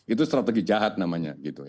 itu strategi jahat namanya